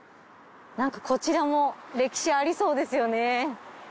なんかこちらも歴史ありそうですよね。